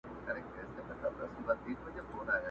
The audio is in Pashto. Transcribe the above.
غزل – عبدالباري جهاني؛